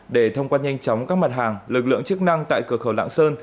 để thông quan nhanh chóng các mặt hàng lực lượng chức năng tại cửa khẩu lạng sơn